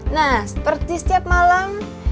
nah seperti setiap malam